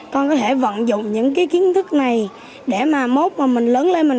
con có thể vận dụng những kiến thức này để mà mốt mà mình lớn lên